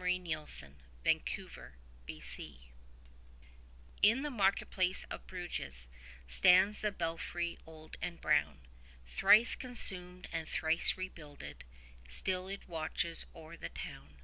THE BELFRY OF BRUGES In the market place of Bruges stands the belfry old and brown; Thrice consumed and thrice rebuilded, still it watches o'er the town.